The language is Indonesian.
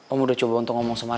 om udah coba untuk ngomong sama